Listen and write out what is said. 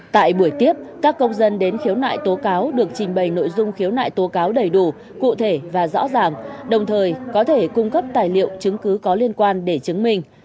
tại buổi tiếp các công dân đến khiếu nại tố cáo được trình bày nội dung khiếu nại tố cáo đầy đủ cụ thể và rõ ràng đồng thời có thể cung cấp tài liệu chứng cứ có liên quan để chứng minh